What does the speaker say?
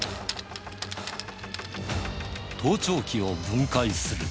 盗聴器を分解する。